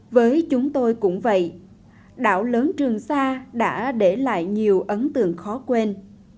với chúng tôi cũng vậy đảo lớn trường sa đã để lại nhiều ấn tượng khó quên